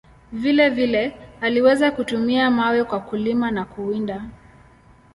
Vile vile, aliweza kutumia mawe kwa kulima na kuwinda.